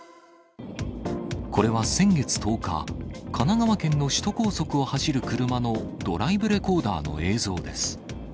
これは先月１０日、神奈川県の首都高速を走る車のドライブレコーダーの映像です。